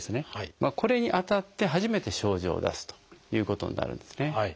これに当たって初めて症状を出すということになるんですね。